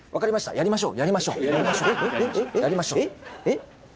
やりましょう。